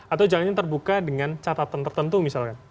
atau jalannya terbuka dengan catatan tertentu misalkan